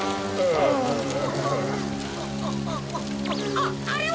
あっあれは！？